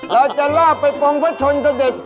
เราจะลอบไปโปรงพระชนทศเด็จพ่อ